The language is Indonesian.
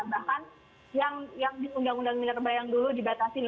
bahkan yang di undang undang minerba yang dulu dibatasi